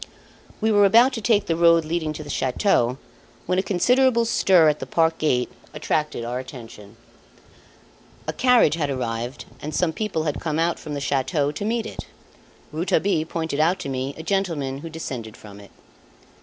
We were about to take the road leading to the chateau, when a considerable stir at the park gate attracted our attention. A carriage had arrived and some people had come from the chateau to meet it. Rouletabille pointed out to me a gentleman who descended from it.